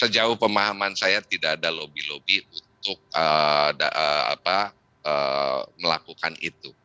sejauh pemahaman saya tidak ada lobby lobby untuk melakukan itu